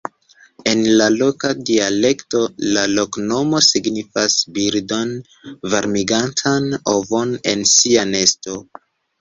En la loka dialekto la loknomo signifas birdon varmigantan ovon en sia nesto.